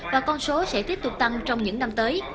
và con số sẽ tiếp tục tăng trong những năm tới